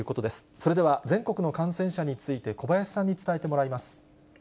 それでは全国の感染者について、小林さんに伝えてもらいます。